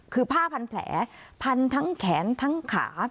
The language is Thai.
คือผ้าพันแผลพันทั้งแขนทั้งขา